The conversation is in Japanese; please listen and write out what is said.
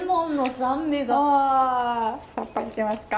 さっぱりしてますか？